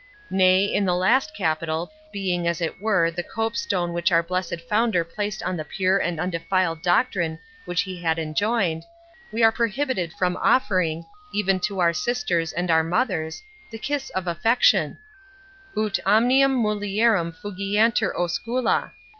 Nay, in the last capital, being, as it were, the cope stone which our blessed founder placed on the pure and undefiled doctrine which he had enjoined, we are prohibited from offering, even to our sisters and our mothers, the kiss of affection—'ut omnium mulierum fugiantur oscula'.